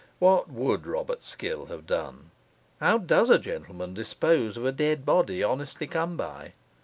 What would Robert Skill have done? How does a gentleman dispose of a dead body, honestly come by?